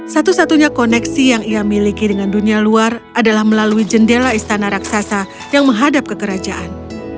satu satunya koneksi yang ia miliki dengan dunia luar adalah melalui jendela istana raksasa yang menghadap ke kerajaan